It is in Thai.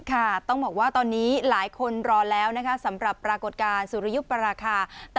ต้องบอกว่าตอนนี้หลายคนรอแล้วนะคะสำหรับปรากฏการณ์สุริยุปราคา